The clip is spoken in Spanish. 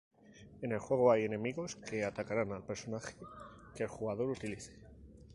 En el juego hay enemigos que atacarán al personaje que el jugador utilice.